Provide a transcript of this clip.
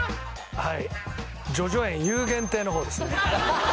はい叙々苑游玄亭の方ですねハハハハ！